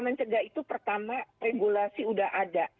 mencegah itu pertama regulasi udah ada